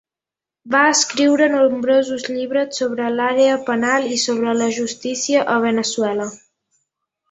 Va escriure nombrosos llibres sobre l'àrea penal i sobre la justícia a Veneçuela.